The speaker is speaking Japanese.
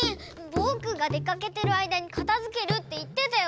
ぼくがでかけてるあいだにかたづけるっていってたよね？